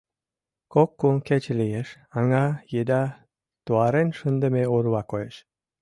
Кок-кум кече лиеш — аҥа еда туарен шындыме орва коеш.